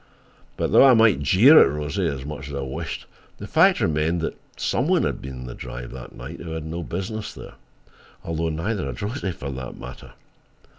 But though I might jeer at Rosie as much as I wished, the fact remained that some one had been on the drive that night who had no business there. Although neither had Rosie, for that matter.